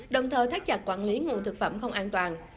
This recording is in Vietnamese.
đồng thời thắt chặt quản lý nguồn thực phẩm không an toàn